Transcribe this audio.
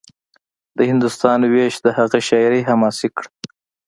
د هندوستان وېش د هغه شاعري حماسي کړه